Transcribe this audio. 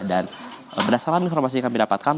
dan berdasarkan informasi yang kami dapatkan